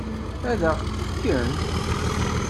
Ad ɣ-t-fken?